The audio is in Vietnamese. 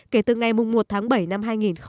kể từ ngày một tháng bảy năm hai nghìn hai mươi